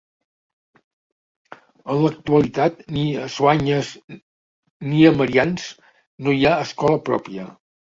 En l'actualitat, ni a Soanyes ni a Marians no hi ha escola pròpia.